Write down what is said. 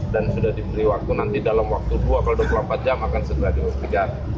dan sudah diberi waktu nanti dalam waktu dua atau dua puluh empat jam akan segera dihubungkan